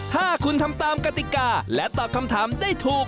ถ้าคุณทำตามกติกาและตอบคำถามได้ถูก